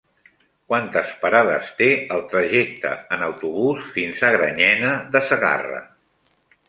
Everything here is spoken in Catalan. Quantes parades té el trajecte en autobús fins a Granyena de Segarra?